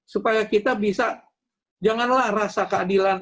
supaya kita bisa janganlah rasa keadilan